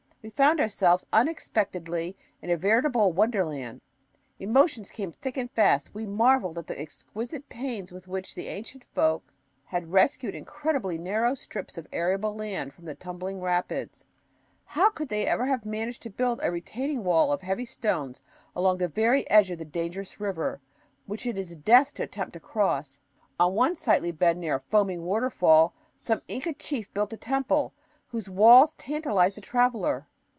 We found ourselves unexpectedly in a veritable wonderland. Emotions came thick and fast. We marveled at the exquisite pains with which the ancient folk had rescued incredibly narrow strips of arable land from the tumbling rapids. How could they ever have managed to build a retaining wall of heavy stones along the very edge of the dangerous river, which it is death to attempt to cross! On one sightly bend near a foaming waterfall some Inca chief built a temple, whose walls tantalize the traveler.